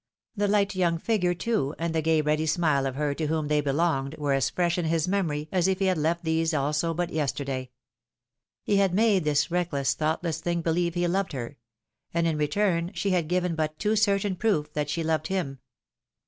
The hght young figure too, and the gay ready smile of her to whom they belonged, were as fresh in his memory as if he had left these also but yesterday. He had made this reckless, thoughtless thing beheve he loved her ; and in return, she had given but too certain proof that she loved him.